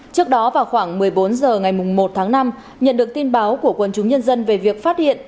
trước đó vào khoảng một mươi bốn h ngày một tháng năm nhận được tin báo của quân chúng nhân dân về việc phát hiện